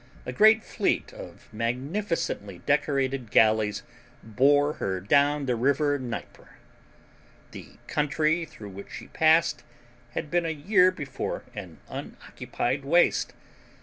A great fleet of magnificently decorated galleys bore her down the river Dnieper. The country through which she passed had been a year before an unoccupied waste.